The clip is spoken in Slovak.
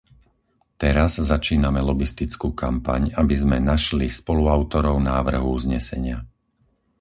Teraz začíname lobistickú kampaň, aby sme našli spoluautorov návrhu uznesenia.